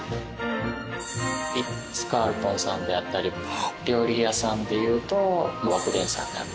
リッツ・カールトンさんであったり料理屋さんでいうと和久傳さんであったり。